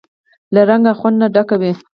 له رنګ او خوند نه ډکه وي.